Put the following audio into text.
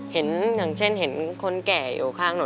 เห็นอย่างเช่นคนใหญ่อยู่ข้างหน่อ